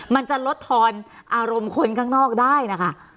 มันจะลดทอนอารมณ์คนข้างนอกได้นะคะ